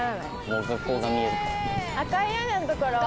もう学校が見えるから。